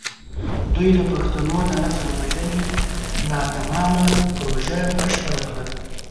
دوی د پښتنو د نسل وژنې ناتمامه پروژه بشپړه کړه.